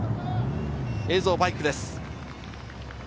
映像はバイクです。